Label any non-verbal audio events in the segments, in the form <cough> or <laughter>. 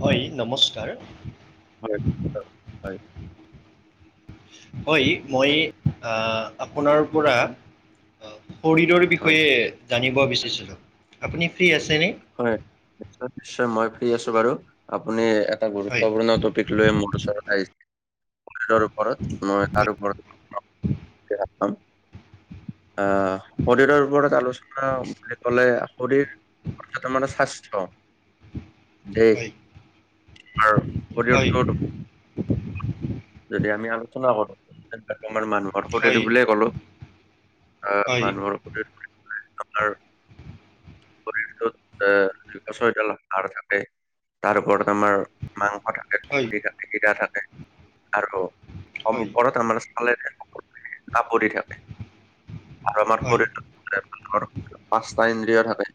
হয় নমস্কাৰ। হয়-হয়-হয়। হয় মই অ' আপোনাৰ পৰা শৰীৰৰ হয়, বিষয়ে জানিব বিচাৰিছিলোঁ, আপুনি ফ্ৰী আছে নে? হয় নিশ্চয়-নিশ্চয় মই ফ্ৰী আছোঁ বাৰু আপুনি এটা হয় গুৰুত্বপূৰ্ণ টপিক লৈ মোৰ ওচৰত আহিছে শৰীৰৰ ওপৰত মই তাৰ ওপৰত <inaudible> অ' শৰীৰৰ ওপৰত আলোচনা বুলি ক'লে শৰীৰ <unintelligible> মানে স্বাস্থ্য। দেশ হয় আৰু <unintelligible> হয় তো যদি আমি আলোচনা কৰোঁ <unintelligible> মানুহ। হয় <unintelligible> বুলিয়ে কলোঁ, অ' হয় মানুহৰ শৰীৰ বুলি কৈ আপোনাৰ শৰীৰটোত অ' দুশ ছয়ডাল হাৰ থাকে তাৰ ওপৰত আমাৰ মাংস থাকে। হয় হয় কুঁহি গাঁঠি থাকে আৰু সমু হয় ওপৰত আমাৰ মানে চালেৰে <unintelligible> কা <unintelligible> পৰি থাকে আৰু আমাৰ শৰীটোত <unintelligible> পাঁচটা ইন্দ্ৰিয় থাকে।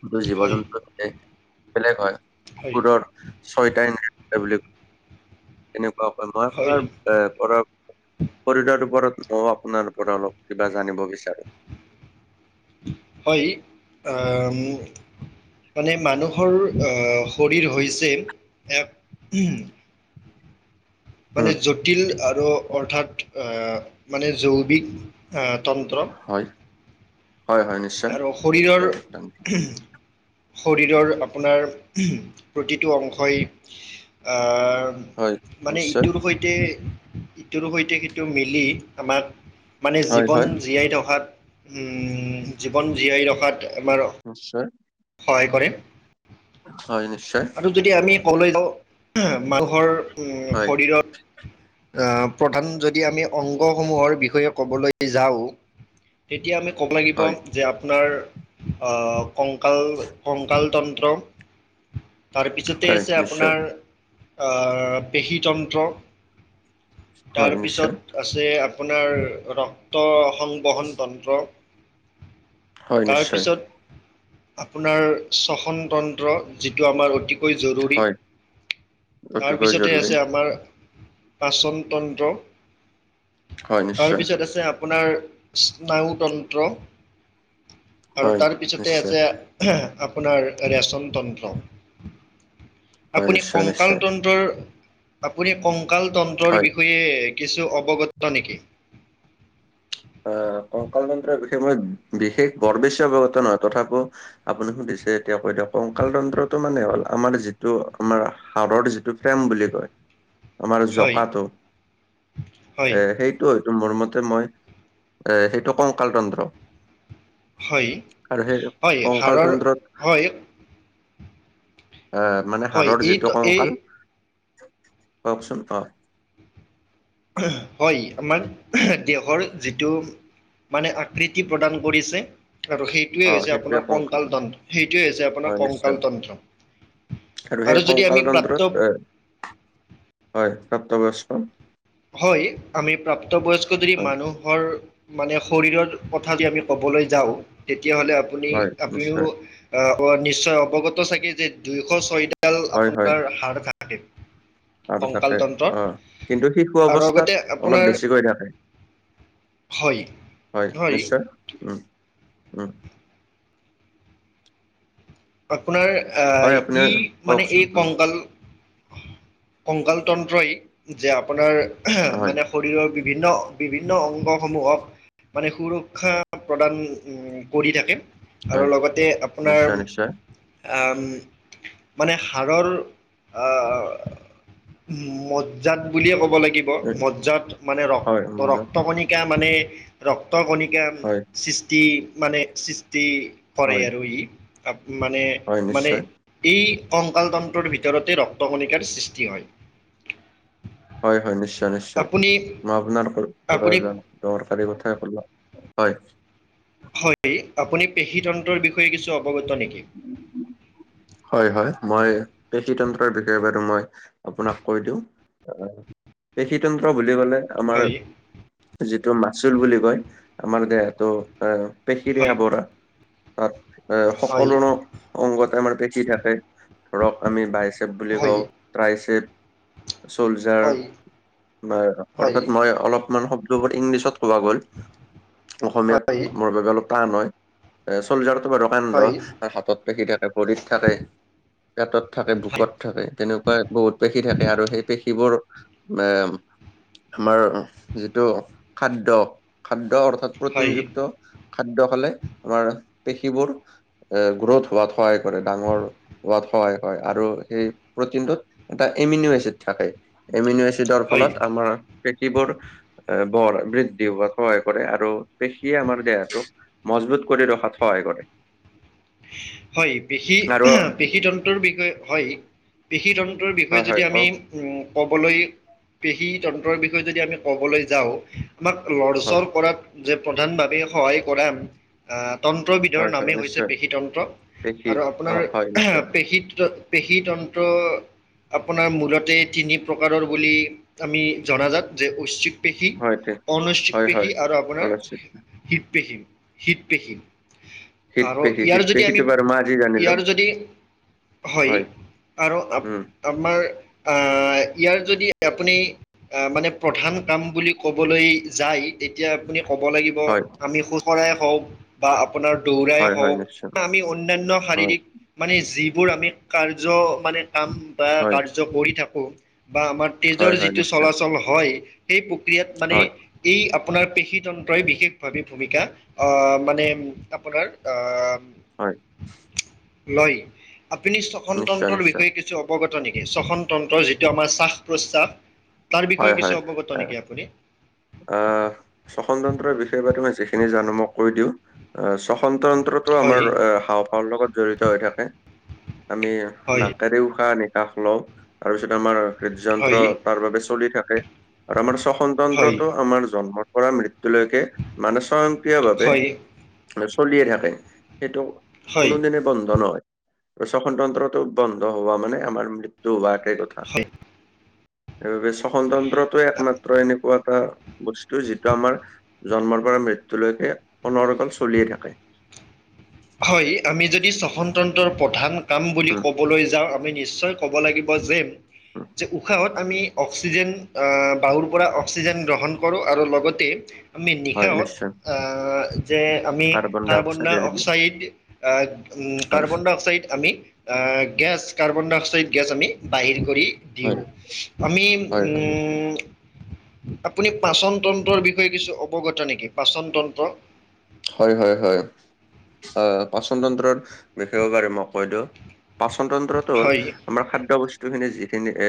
কিন্তু জীৱ-জন্তুৰ <unintelligible> বেলেগ হয়, কুকুৰৰ ছয়টা ইন্দ্ৰিয় থাকে বুলি, তেনেকুৱা কয় মই হয় হয় হয় <unintelligible> এনে ধৰক শৰীৰৰ ওপৰত ময়ো আপোনাৰ ওপৰত অলপ কিবা জানিব বিচাৰোঁ। হয় অ' মো মানে মানুহৰ অ' শৰীৰ হৈছে এক মানে উম জটিল আৰু অৰ্থাৎ অ' মানে জৈৱিক তন্ত্ৰ। হয়-হয়-হয় নি আৰু শৰীৰৰ শৰীৰৰ আপোনাৰ, প্ৰতিটো অংশই হয় অ' মানে নিশ্চয় ইটোৰ সৈতে ইটোৰ সৈতে সেইটো মিলি আমাক মানে হয় জীৱন হয় জীয়াই ৰখাত জীৱন জীয়াই ৰখাত আমাৰ। নিশ্চয়। সহায় কৰিম। হয় নিশ্চয়। যদি আমি ক'লে যাওঁ মানুহৰ উ হয় শৰীৰত। আহ প্ৰধান যদি আমি অংগসমূহৰ বিষয়ে ক'বলৈ যাওঁ। তেতিয়া আমি ক'ব লাগিব হয় যে আপোনাৰ আ কং। ককাল কংকাল তন্ত্ৰ তাৰপিছতে হয় আছে নিশ্চয় আপোনাৰ। আ পেশী তন্ত্ৰ হয় নিশ্চয় তাৰপিছত। আছে আপোনাৰ ৰক্ত সংবহন তন্ত্ৰ। হয় নিশ্চয় তাৰপিছত আপোনাৰ চশন তন্ত্ৰ যিটো আমাৰ অতি। কৈ জৰুৰী হয় অতিকৈ তাৰপিছতে জৰুৰী আছে আমাৰ। পাচন তন্ত্ৰ হয় নিশ্চয় তাৰপিছত আছে। আপোনাৰ স্নায়ুতন্ত্ৰ আৰু হয় তাৰপিছত। নিশ্চয় আপোনাৰ এৰেচন তন্ত্ৰ। হয় আপুনি নিশ্চয় কংকাল নিশ্চয় তন্ত্ৰৰ আপুনি কংকাল তন্ ন্তৰ হয় বিষয়ে কিছু অৱগত নেকি? আহ ককাংল তন্ত্ৰৰ বিষয়ে মই বিশেষ বৰ বেছি অৱগত নহয় তথাপিও। আপুনি সুধিছে, এতিয়া কৈ দিয়ক কংকাল তন্ত্ৰটো মানে হ'ল আমাৰ যিটো আমাৰ হাড়ৰ যিটো ট্ৰেম বুলি কয় <inaudible> আমাৰ হয় জকাটো, হয় এ সেইটো হয়তো মোৰ মতে মই এ সেইটো কংকাল তন্ত্ৰ। হয় আৰু সেই হয় কংকাল হাড়ৰ তন্ত্ৰত হয়। এ মানে হয় হাড়ৰ এই যিটো এই কংকাল কওকচোন অ। হয় আমাৰ দেশৰ যিটো। মানে আকৃতি প্ৰদান কৰিছে। আৰু সেইটোৱে অ হৈছে সেইটোৱে আপোনাৰ কংকাল তন্ত্ৰ তন্ত সেইটোৱে হৈছে আপোনাৰ হয় নিশ্চয় কংকাল তন্ত্ৰ। আৰু সেই যদি আমি কংকাল প্ৰাপ্ত তন্ত্ৰত এ হয় প্ৰাপ্তবয়স্ক। হয় আমি প্ৰাপ্তবয়স্ক ধৰি হয় মানুহ। হৰ মানে শৰীৰৰ কথা যদি আমি ক'বলৈ যাওঁ তেতিয়াহ'লে আপুনি হয় নিশ্চয় আপুনিও নিশ্চয় অৱগত ছাগে যে দুইশ ছয় ডাল ডাল হয় হয় আপোনাৰ হাড় থাকে আৰু কংকাল থাকে তন্ত্ৰত অ কিন্তু শিশু আৰু লগতে অৱস্থাত অলপ আপোনাৰ বেছিকৈ থাকে হয়' হয় নিশ্চয়, উম উম আপোনাৰ আহ হয় আপুনি ই মানে এই কওকচোন উম কংকাল কংকাল তন্ত্ৰই যে আপোনাৰ হয় মানে শৰীৰৰ বিভিন্ন বিভিন্ন অংগসমূহক মানে সুৰক্ষা প্ৰদান উ কৰি থাকে আৰু হয় লগতে আপোনাৰ নিশ্চয় নিশ্চয় মানে হাড়ৰৰ, অ মজ্জাদ বুলিয়ে ক'ব লাগি ব উম, মজ্জাত মানে হয় ৰক্ত মোৰ যাম। ৰক্ত কণিকা মানে ৰক্ত কণিকা হয় সৃষ্টি মানে সৃষ্টি কৰে হয় আৰু ই মানে, হয় মানে নিশ্চয় এই কংকাল তন্ত্ৰৰ ভিতৰতে ৰক্ত কণিকাৰ সৃষ্টি হয় হয় হয় নিশ্চয় নিশ্চয় আপুনি মই আপোনাৰ পৰা আপুনি জা দৰকাৰী কথাই কলা হয় হয়, আপুনি পেশী তন্ত্ৰৰ বিষয়ে কিছু অৱগত নেকি? <unintelligible> হয় হয়, মই পেশী তন্ত্ৰৰ বিষয়ে বাৰু ম‌ই আপোনাক কৈ দিওঁ অ', পেশী তন্ত্ৰ বুলি কলে আমাৰ হয় যিটো মাচুল বুলি কয়, আমাৰ দেহটো এ পেশীৰে হয় আৱৰা, তাত এ হয় সকলো অংগতে মানে পে খী থাকে ধৰক আমি বাইচেপ বুলি হয় কওঁ, ট্ৰাইচেপ চলজাৰ হয় হয় হয় অৰ্থাৎ মই অলপমান শব্দবোৰ ইংলিছত কবা গ'ল। অসমীয়াত। মোৰ বাবে অলপ টান হয়, এ চলযাৰতো বাৰু কান্ধ, হাতত পেশী থাকে ভৰিত থাকে, পেটত থাকে, বোকত থাকে তেনেকুৱা বহুত পেশী থাকে আৰু সেই পেশীবোৰ মে আমাৰ যিটো খাদ্য খাদ্যৰ হয় হয় তৎপ্ৰনিযুক্ত। খাদ্য খালে আমাৰ পেশীবোৰ এ গ্ৰ‌উথ হোৱাত সহায় কৰে ডাঙৰ হোৱাত সহায় হয় আৰু সেই প্ৰটিনটোত এটা এমিন এচিড থাকে। এমিন এচিডৰ হয় ফলত আমাৰ পেশীবোৰ এ বৰ বৃদ্ধি হোৱাত সহায় কৰে আৰু পেশিয়ে আমাৰ দেহটোক মজবুত কৰি ৰখাত সহায় কৰে। হয় পেশী আৰু এহে, পেশী তন্ত্ৰৰ বিষয়ে হয় পেশী তন্ত্ৰৰ বিষয়ে হয় যদি হয় আমি কওক উম ক'বলৈ, পেশী তন্ত্ৰৰ বিষয়ে যদি আমি ক'বলৈ যাওঁ আমাক হয় লৰচৰ কৰাত যে প্ৰধান ভাৱে সহায় কৰা আ তন্ত্ৰবিধৰ হয় হয় নামেই হৈছে নিশ্চয় পেশী তন্ত্ৰ পেশী আৰু অ আপোনাৰ হয় আহ নিশ্চয় পেশী ত পেশী তন্ত্ৰ আপোনাৰ মূলতে তিনি প্ৰকাৰৰ বুলি আমি জনাজাত যে ঐচ্ছিক পেশী, হয় তে অনৈচ্ছিক হয় হয় পেশী আৰু আপোনাৰ অৱশ্যে শীত পেশী, শীত পেশী। শিত পে ইয়াৰ যদি আমি ইয়াৰ যদি হয় আৰু আ উম আমাৰ আ ইয়াৰ যদি আপুনি আ মানে প্ৰধান কাম বুলি কবলৈ যায় তেতিয়া আপুনি কব লাগি ক হয় আমি খুজৰাই হওক বা আপোনাৰ দৌৰাই হয় হয় হওক নিশ্চয় বা আমি অন্যান্য হয় শাৰীৰিক মানে যিবোৰ আমি কাৰ্য মানে কাম বা হয় কাৰ্য কৰি থাকো বা আমাৰ তেজৰ হয় হয় যিটো নিশ্চয় চলাচল হয় সেই প্ৰক্ৰিয়াত মানে হয় এই আপোনাৰ পেশী তন্ত্ৰই বিশেষভাৱে ভূমিকা অ মানে আপোনাৰ আহ হয়। লয়, আপুনি নিশ্চয় শ্বসনতন্ত্ৰৰ নিশ্চয় বিষয়ে কি ছু অৱগত নেকি? শ্বসনতন্ত্ৰৰ যিটো আমাৰ শ্বাস- প্ৰশ্বাস তাৰ বিষয়ে কিছু অৱগত নেকি আপুনি? আঁ শ্বসনতন্ত্ৰৰ বিষয়ে মই তোমাক যিখিনি জানো মই কৈ দিওঁ আহ শ্বসনতন্ত্ৰ ৰ হয় আমাৰ হাওফাওৰ লগত জড়িত হৈ থাকে। আমি হয় নাকেৰে উশাহ নিকাহ লওঁ। তাৰপিছত আমাৰ হৃদযন্ত্ৰ হয় তাৰ বাবে চলি থাকে আৰু আমাৰ শ্বসন হয় তন্ত্ৰটো আমাৰ জন্মৰ পৰা মৃত্যুলৈকে হয় মানস্বয়ক্ৰিয়ভাৱে চলিয়ে থাকে সেইটো হয় কোনোদিনে বন্ধ নহয়। শ্বসনতন্ত্ৰটো বন্ধ হোৱা মানে আমাৰ মৃত্যু হোৱা একে কথা। সেই সেইবাবে শ্বসনতন্ত্ৰটোয়ে একমাত্ৰ এনেকুৱা এটা বস যিটো আমাৰ জন্মৰ পৰা মৃত্যু লৈকে অন্যৰকম চলিয়ে থাকে। হয়, আমি যদি শ্বসনতন্ত্ৰৰ প্ৰধান কাম বুলি উম, ক'বলৈ যাওঁ আমি নিশ্চয় ক'ব লাগিব যে উম, যে উশাহত, আমি অক্সিজেন আহ বাহুৰ পৰা অক্সিজেন গ্ৰহণ কৰো আৰু লগতে। আমি হয় নিশাত নিশ্চয় যে আমি কাৰ্বন অক্সাইড এৰি ডাই দিওঁ অক্সাইড হয়। কাৰ্বন ডাই অক্সাইড আমি, gas carbon dioxide gas আমি বাহিৰ কৰি। দিওঁ, হয়, আমি হয়, হয়, নিশ্চয় উম আপুনি পাচন তন্ত্ৰৰ বিষয়ে কিছু অৱগত নেকি পাচন তন্ত্ৰ। হয় হয় হয় হয় পাচনতন্ত্ৰৰ বিষয়ে বাৰু মই কৈ দিওঁ। পাচন তন্ত্ৰতটো হ'ল হয় আমাৰ খাদ্যয় বস্তুখিনি যিখিনি এ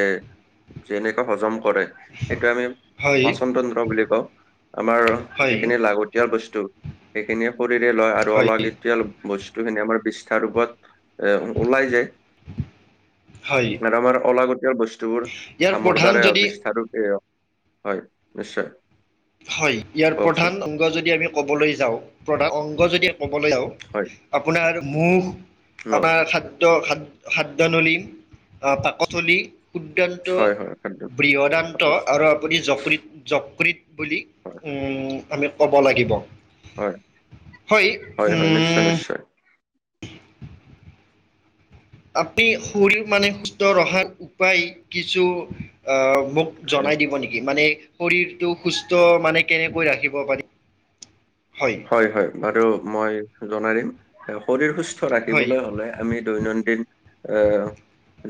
যেনেকে হজম কৰে। সেইটো আমি হয় পাচনতন্ত্ৰ বুলি কওঁ আমাৰ হয় যিখিনি লাগতিয়াল বস্তু। সেইখিনিয়ে শৰৰে লয় আৰু হয় অলাগতিয়াল বস্তু, খিনি আমাৰ বিষ্ঠা ৰূপত এ ওলাই যায়। হয় আৰু আমাৰ অলাগতীয়াল বস্তুবোৰ ইয়াৰ খামৰ প্ৰধান দ্বাৰাই হওক যদি বিসাৰুতে হে, হয় নিশ্চয়। হয় ইয়াৰ কওকচোন প্ৰধান অংগ যদি আমি ক'বলৈ যাওঁ প্ৰধান অংগ যদি ক'বলৈ যাওঁ। হয়। আপোনাৰ মুখ ন আপোনাৰ খাদ্য খা খাদ্যনলী পাকস্থলী, কুদান্ত হয় হয় খাদ্য বৃহদান্ত আৰু পাকস্থলী। আপুনি যক যকৃত। বুলি উম আমি ক'ব লাগিব। হয় হয় হয় নিশ্চয় উম নিশ্চয় আপুনি শৰীৰ মানে সুস্থ ৰখাত উপায় কিছু আহ মু হয় জনাই দিব নেকি মানে, শৰীৰটো সুস্থ মানে কেনেকৈ ৰাখিব পাৰি হয়। হয় হয় বাৰু মই জনাই দিম শৰীৰ সুস্থ হয় ৰাখিবলৈ হলে আমি দৈনন্দিন আহ,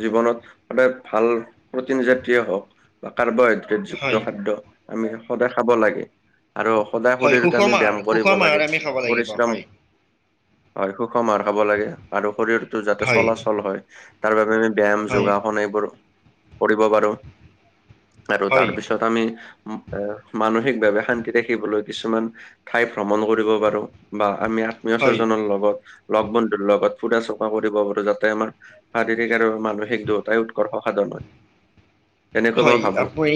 জীৱনত সদায় ভাল প্ৰটিন জাতীয়ে হওক বা কাৰ্বহাইড্ৰে হয় যুক্ত খাদ্য আমি সদায় খাব লাগে আৰু সদায় হয় শৰীৰত সুষম আমি আহাৰ ব্যায়াম, কৰিব সুষম আহাৰ লাগে আমি খাব লাগিব পৰিশ্ৰম, হয় হয় সুষম আহাৰ খাব লাগে আৰু শৰীৰতো যাতে হয় চলাচল হয় তাৰ বাবে আমি ব্যায়াম হয় যোগাসন এইবোৰ কৰিব পাৰো। আৰু হয় তাৰপিছত আমি এ মানসিকভাৱে শান্তি ৰাখিবলৈ কিছুমান ঠাই ভ্ৰমণ কৰিব পাৰো বা আমি আত্মীয় হয় স্বজনৰ লগত লগ বন্ধুৰ লগত ফুৰা চকা কৰিব পাৰো যাতে আমাৰ শাৰীৰিক আৰু মানুহিক দুয়োটাই উৎকৰ্ষ সাধন হয়। তেনেকৈ মই হয় ভাবো আপুনি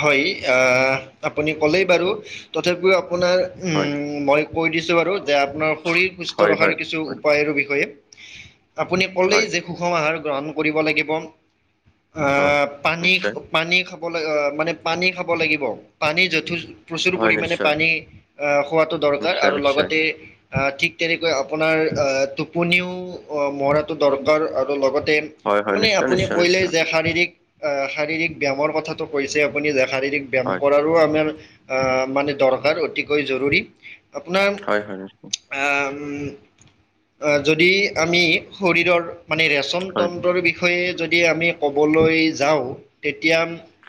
হয় আহ আপুনি ক'লেই বাৰু উম, তথাপিও আপোনাৰ হয় মই কৈ দিছোঁ বাৰু যে আপোনাৰ শৰীৰ সুস্থ হয় ৰখাৰ হয় কিছু হয় বিষয়ে আপুনি হয় কলেই যে সুষম আহাৰ গ্ৰহণ কৰিব লাগিব। হয় আহ পানী নিশ্চয় পানী খাব লাগ মানে পানী খাব লাগিব পানী যথ প্ৰচুৰ হয় পৰিমাণে নিশ্চয় পানী আহ খোৱাটো দৰকাৰ নিশ্চয় আৰু নিশ্চয় লগতে ঠিক তেনেকৈ আপোনাৰ টোপনিও মৰাটো দৰকাৰ আৰু লগতে হয় তাৰ হয় মানে নিশ্চয় আপুনি নিশ্চয় কলে নিশ্চয় যে শাৰীৰিক শাৰীৰিক ব্যায়ামৰ কথাটো কৈছে আপুনি যে শাৰীৰিক ব্যায়াম হয় কৰাৰো আমাৰ, আহ মানে দৰকাৰ অতিকৈ জৰুৰী আপোনাৰ হয় হয় নিশ্চয় আ ম যদি আমি শৰীৰৰ মানে পচন হয় তন্ত্ৰৰ বিষয়ে যদি আমি ক'বলৈ যাওঁ তেতিয়া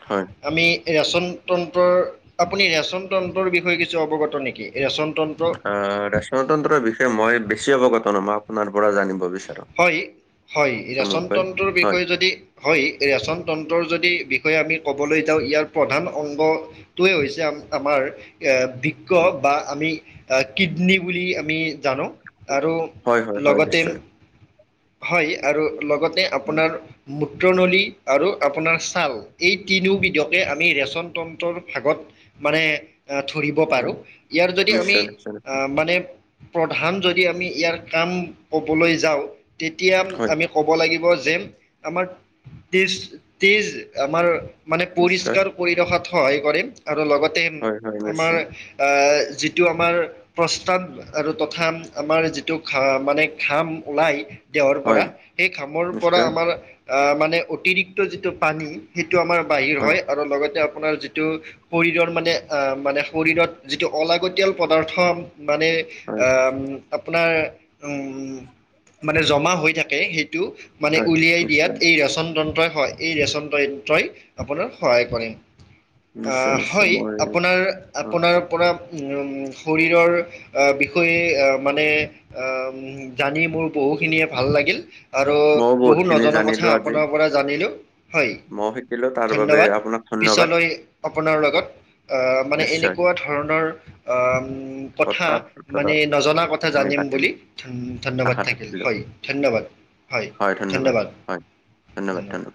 হয়। আমি ৰেচন তন্ত্ৰৰ আপুনি ৰেচন তন্ত্ৰৰ বিষয়ে কিছু অৱগত নেকি ৰেচন তন্ত্ৰ। অ ৰেচনতন্ত্ৰৰ বিষয়ে মই বেছি অৱগত ন মই আপোনাৰ পৰা জানিব বিচাৰো। হয় হয় ৰেচন চমুকৈ তন্ত্ৰৰ হয় বিষয়ে যদি হয় ৰেচন তন্ত্ৰৰ যদি বিষয়ে আমি ক'বলৈ যাওঁ ইয়াৰ প্ৰধান অংগ টোয়ে হৈছে আমাৰ এ বিক্ক উম, বা আমি কিডনী বুলি আমি জানো আৰু হয় হয় হয় নিশ্চয়। লগতে হয় আৰু লগতে উম, আপোনাৰ মূত্ৰনলী আৰু আপোনাৰ ছাল এই তিনিওবিধকে আমি ৰেচন তন্ত্ৰৰ ভাগত মানে আহ ধৰিব পাৰো, হয় ইয়াৰ যদি আমি নিশ্চয় নিশ্চয় নিশ্চয় আহ মানে প্ৰধান যদি আমি ইয়াৰ কাম ক'বলৈ যাওঁ তেতিয়া হয় আমি ক'ব লাগিব যে আমাৰ তেজ তেজ আমাৰ মানে নিশ্চয় পৰিষ্কাৰ কৰি ৰখাত সহায় কৰে আৰু লগতে হয় হয় আমাৰ নিশ্চয় আ যিটো আমাৰ প্ৰস্তান আৰু তথা আমাৰ যিটো মানে ঘাম ওলাই দেহৰ পৰা হয় সেই ঘামৰ পৰা নিশ্চয় আমাৰ আহ মানে অতিৰি ক্ত যিটো পানী সেইটো আমাৰ বাহিৰ হয় আৰু লগতে আপোনাৰ যি টো শৰীৰৰ মানে মানে শৰীৰত যিটো অলাগতিয়াল পদাৰ্থ মানে হয় আহ আপোনাৰ উম মানে জমা হৈ থাকে সেইটো মানে হয় উলিয়াই দিয়াত নিশ্চয় এই ৰেচন ন্ত্ৰ হয় এই ৰেচন তইন তন্ত্ৰ আপোনাৰ সহায় কৰে। অ নিশ্চয় নিশ্চয় হয় মই আপোনাৰ আপোনাৰ পৰা শৰীৰৰ বিষয়ে মানে জানি মোৰ বহু খিনিয়ে ভাল লাগিল, আৰু মইও বহুত বহুতখিনি নজনা কথা জানিলো আজি আপোনাৰ পৰা জানিলো। হয় ময়ো শিকিলো তাৰ বাবে ধন্যবাদ আপোনাক ধন্যবাদ পিছলৈ আপোনাৰ লগত আ মানে নিশ্চয় এনেকুৱা ধৰণৰ আম কথা মানে নজনা কথা আমি জানিম পাতিম বুলি ধন ধন্যবাদ আশা থাকি থাকিলো হয় ধন্যবাদ হয় ধন্যবাদ ধন্যবাদ।